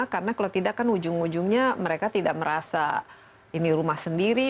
karena kalau tidak kan ujung ujungnya mereka tidak merasa ini rumah sendiri